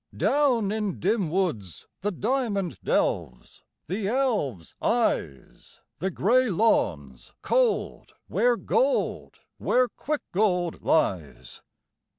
Down in dim woods the diamond delves! the elves' eyes! The grey lawns cold where gold, where quickgold lies!